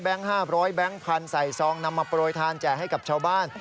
แบงค์๕๐๐บาทแบงค์๑๐๐๐บาทใส่ซองนำมาโปรยธานแก่ให้กับชาวบ้าน